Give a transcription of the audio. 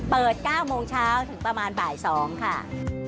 ๙โมงเช้าถึงประมาณบ่าย๒ค่ะ